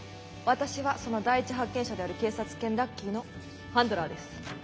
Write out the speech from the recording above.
私はその第一発見者である警察犬ラッキーのハンドラーです。